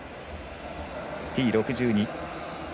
Ｔ６２